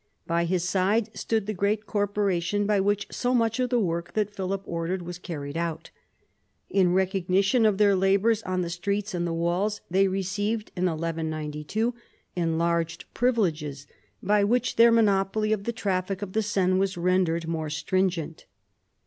By his side stood the great corporation by which so much of the work that Philip ordered was carried out. In recognition of their labours on the streets and the walls, they received in 1192 enlarged privileges, by which their monopoly of the traffic of the Seine was rendered more stringent.